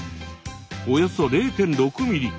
およそ０．６ミリ。